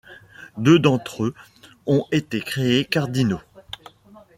Deux d'entre eux ont été créés cardinaux.